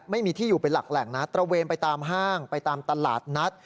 ไม่มีที่อยู่เป็นหลักแหล่งนะตระเวนไปตามห้างไปตามตลาดนัด